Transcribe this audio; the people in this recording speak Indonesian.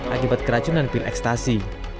akibat keracunan pil ekstasi